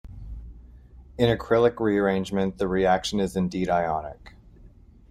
In allylic rearrangement, the reaction is indeed ionic.